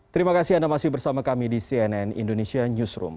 terima kasih anda masih bersama kami di cnn indonesia newsroom